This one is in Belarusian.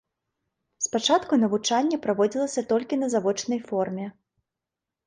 Спачатку навучанне праводзілася толькі на завочнай форме.